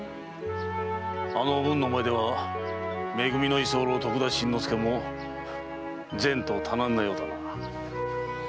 あのおぶんの前ではめ組の居候・徳田新之助も前途多難なようだな。